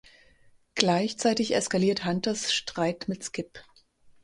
Gleichzeitig eskaliert Hunters Streit mit Skip.